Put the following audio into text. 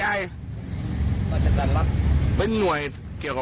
ใครซื้อขายถูกต้อง